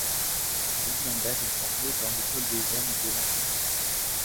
Louis Lambert est formé dans l'école des jeunes de l'Antwerp.